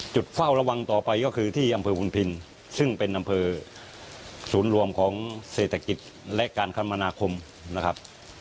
เฝ้าระวังต่อไปก็คือที่อำเภอบุญพินซึ่งเป็นอำเภอศูนย์รวมของเศรษฐกิจและการคมนาคมนะครับ